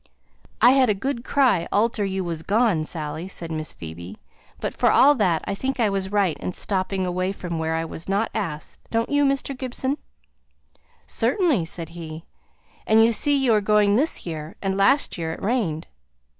"I had a good cry after you was gone, Dorothy," said Miss Phoebe; "but for all that, I think I was right in stopping away from where I was not asked. Don't you, Mr. Gibson?" "Certainly," said he. "And you see you are going this year; and last year it rained."